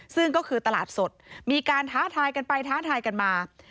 ซึ่งก็คือตลาดสดมีการท้าทายกันไปท้าทายกันมา